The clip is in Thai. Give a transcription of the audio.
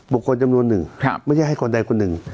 บพคนจำนวนหนึ่งครับไม่ได้คนใดคนหนึ่ง